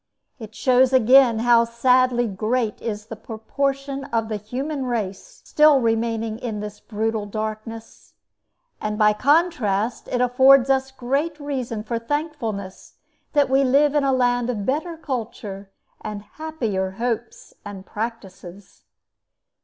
It shows, again, how sadly great is the proportion of the human race still remaining in this brutal darkness. And, by contrast, it affords us great reason for thankfulness that we live in a land of better culture, and happier hopes and practices.